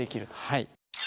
はい。